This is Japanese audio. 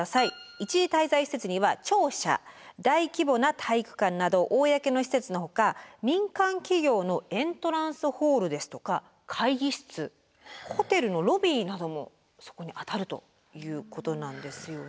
一時滞在施設には庁舎大規模な体育館など公の施設のほか民間企業のエントランスホールですとか会議室ホテルのロビーなどもそこにあたるということなんですよね。